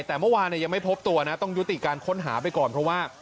แต่เมื่อวานยังไม่พบตัวนะต้องยุติการค้นหาไปก่อนเพราะว่า